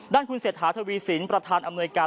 ด้านคุณเศรษฐาถวีศินย์ประธานอำนวยการ